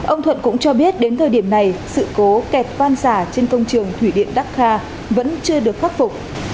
ông thuận cũng cho biết đến thời điểm này sự cố kẹt văn xả trên công trường thủy điện dakar vẫn chưa được khắc phục